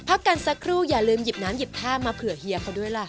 พักกันสักครู่อย่าลืมหยิบน้ำหยิบท่ามาเผื่อเฮียเขาด้วยล่ะ